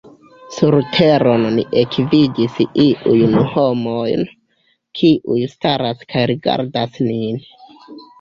Surteron ni ekvidis iujn homojn, kiuj staras kaj rigardas nin.